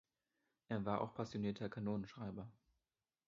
Er war auch passionierter Kanonschreiber.